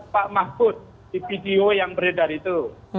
pak mahfud di video yang beredar itu